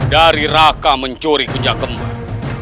dari raka mencuri kunjang kembar